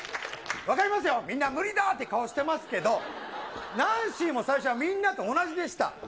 分かりますよ、みんな無理だーって顔してますけど、ナンシーも最初はみんなと同じでした。